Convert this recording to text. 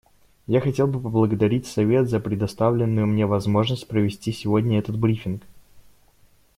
Я хотел бы поблагодарить Совет за предоставленную мне возможность провести сегодня этот брифинг.